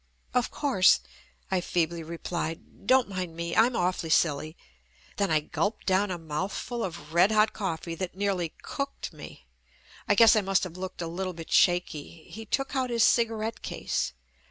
"Of course," I feebly replied, "don't mind me, I'm awfully silly. Then I gulped down a mouth ful of red hot coffee that nearly cooked me. I guess I must have looked a little bit shaky. He took out his cigarette case.